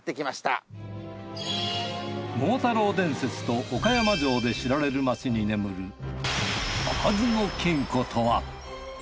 桃太郎伝説と岡山城で知られる街に眠る開かずの金庫とは？